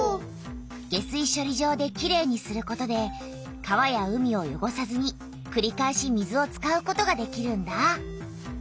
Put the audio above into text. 下水しょり場できれいにすることで川や海をよごさずにくりかえし水を使うことができるんだ。